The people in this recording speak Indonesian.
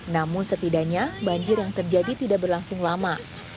namun setidaknya banjir yang terjadi tidak berlangsung lama